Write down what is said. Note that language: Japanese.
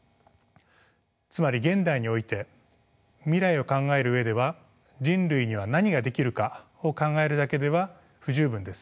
つまり現代において未来を考える上では人類には何ができるかを考えるだけでは不十分です。